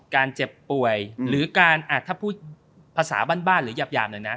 การเจ็บป่วยหรือการอาจถ้าพูดภาษาบ้านบ้านหรือหยาบหยาบหน่อยนะ